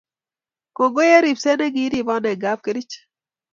Kongoi eng' ribset ne kiiribo eng' kapkerich